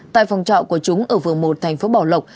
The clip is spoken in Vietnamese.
tại phòng trọng của chúng ở vườn một thành phố bảo lộc